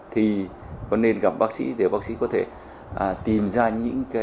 thì có nên gặp bác sĩ để bác sĩ có thể tìm ra những cái yếu tố nguy cơ đó